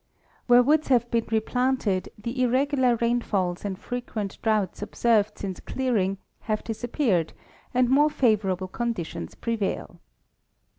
Where woods have been replanted, the irregular rainfalls and frequent droughts observed since clear ing, have disappeared, and more favorable conditions prevail.